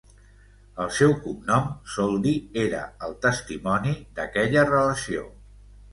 El seu cognom, Soldi, era el testimoni d'aquella relació.